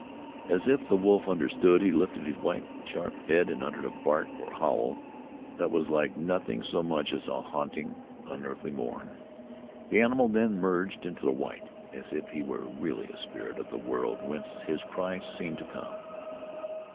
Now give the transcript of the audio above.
As if the wolf understood, he lifted his white, sharp head and uttered a bark or howl that was like nothing so much as a haunting, unearthly mourn. The animal then merged into the white, as if he were really a spirit of the world whence his cry seemed to come.